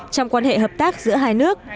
trong quan hệ hợp tác giữa hai nước